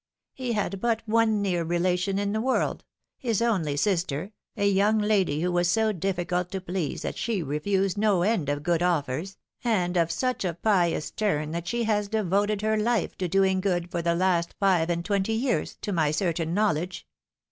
" He had but one near relation in the world : his only sister, a young lady who was so difficult to please that she refused no end of good offers, and of such a pious turn that she has devoted her life to doing good for the last five and twenty years, to my certain knowledge.